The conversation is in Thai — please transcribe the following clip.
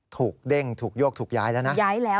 ถูกเด้งถูกยกถูกย้ายแล้วนะย้ายแล้ว